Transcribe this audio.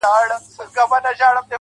او ستا د خوب مېلمه به.